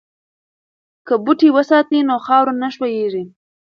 که بوټي وساتو نو خاوره نه ښویېږي.